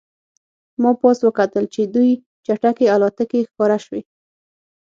ما پاس وکتل چې دوې چټکې الوتکې ښکاره شوې